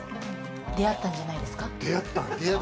であったんじゃないですか？